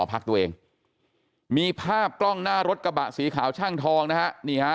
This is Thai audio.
พักตัวเองมีภาพกล้องหน้ารถกระบะสีขาวช่างทองนะฮะนี่ฮะ